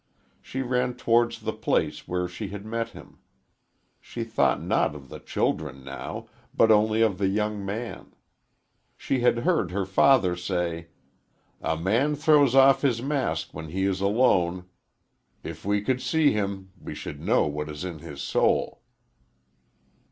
She ran towards the place where she had met him. She thought not of the children now, but only of the young man. She had heard her father say: "A man throws off his mask when he is alone. If we could see him then we should know what is in his soul."